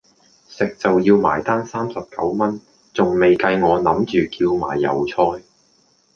食就要埋單三十九蚊,仲未計我諗住叫埋油菜